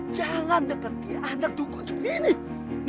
jangan deketi anak duku seperti ini